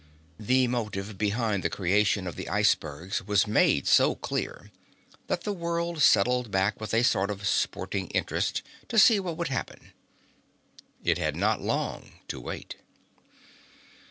The motive behind the creation of the icebergs was made so clear that the world settled back with a sort of sporting interest to see what would happen. It had not long to wait.